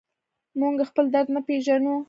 موږ خپل درد نه پېژنو.